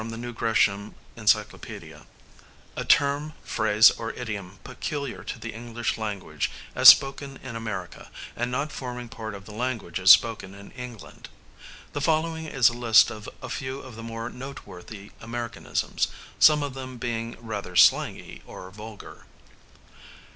See Indians. AMERICANISM, a term, phrase, or idiom peculiar to the English language as spoken in America, and not forming part of the language as spoken in England. The following is a list of a few of the more noteworthy Americanisms, some of them being rather slangy or vulgar.